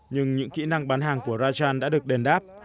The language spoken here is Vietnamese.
nhưng những kỹ năng bán hàng của rajan đã được đền đáp